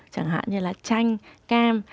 chẳng hạn như là chanh cam